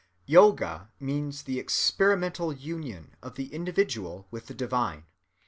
Yoga means the experimental union of the individual with the divine.